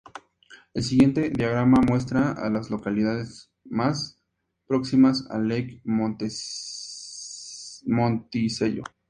El siguiente diagrama muestra a las localidades más próximas a Lake Monticello.